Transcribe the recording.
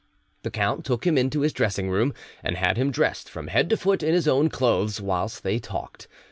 The count took him into his dressing room, and had him dressed from head to foot in his own clothes, whilst they talked.